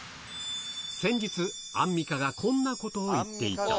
先日、アンミカがこんなことを言っていた。